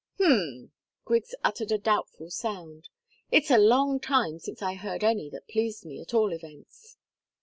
"Hm!" Griggs uttered a doubtful sound. "It's a long time since I heard any that pleased me, at all events."